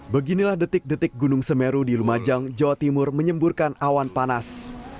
beginilah detik detik gunung semeru di lumajang jawa timur menyemburkan awan panas